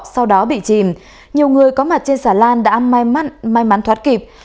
sau đó bị chìm nhiều người có mặt trên xà lan đã may mắn thoát kịp